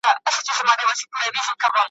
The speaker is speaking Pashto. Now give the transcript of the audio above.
چي د «لر او بر یو افغان» `